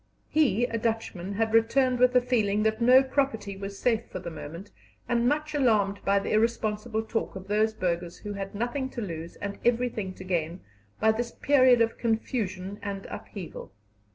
He, a Dutchman, had returned with the feeling that no property was safe for the moment, and much alarmed by the irresponsible talk of those burghers who had nothing to lose and everything to gain by this period of confusion and upheaval.